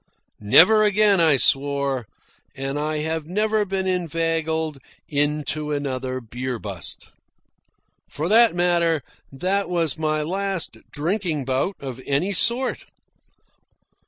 Never again, I swore. And I have never been inveigled into another beer bust. For that matter, that was my last drinking bout of any sort.